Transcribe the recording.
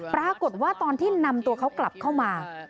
ปรากฏว่าตอนที่นำตัวเขากลับเข้ามา